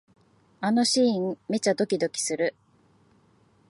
あのシーン、めっちゃドキドキする